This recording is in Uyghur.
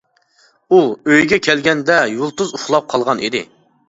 ئۇ ئۆيگە كەلگەندە يۇلتۇز ئۇخلاپ قالغان ئىدى.